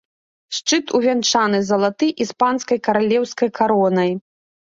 Шчыт увянчаны залаты іспанскай каралеўскай каронай.